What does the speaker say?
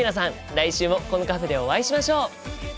来週もこのカフェでお会いしましょう！